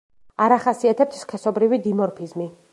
არ ახასიათებთ სქესობრივი დიმორფიზმი.